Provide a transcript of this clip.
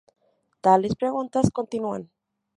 Tales preguntas continúan.